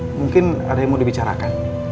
mungkin ada yang mau dibicarakan